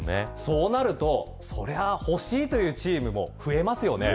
そうなるとそれは欲しいというチームも増えますよね。